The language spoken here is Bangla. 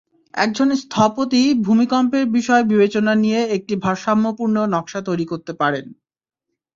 একজন স্থপতি ভূমিকম্পের বিষয় বিবেচনায় নিয়ে একটি ভারসাম্যপূর্ণ নকশা তৈরি করতে পারেন।